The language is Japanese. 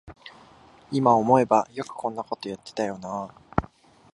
いま思えばよくこんなことやってたよなあ